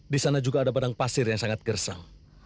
di sana juga ada badang pasir yang sangat gersam